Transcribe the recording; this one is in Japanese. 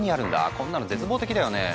こんなの絶望的だよね。